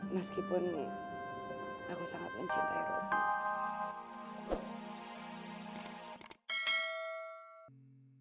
meskipun aku sangat mencintai rocky